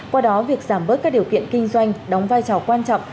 qua đó việc giảm bớt các điều kiện kinh doanh đóng vai trò quan trọng